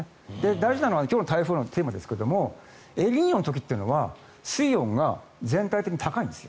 大事なのは今日は台風がテーマですがエルニーニョの時は水温が全体的に高いんです。